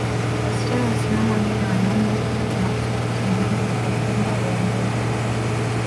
Wasichana husimama mbele ya wanaume na kusokota miili huku wakiimba Oiiiyo